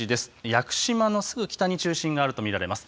屋久島のすぐ北に中心があると見られます。